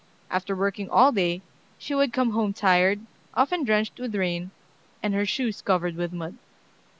After working all day, she would come home tired, often drenched with rain, and her shoes covered with mud.